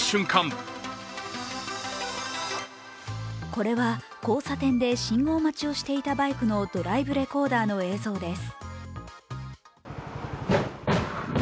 これは交差点で信号待ちをしていたバイクのドライブレコーダーの映像です。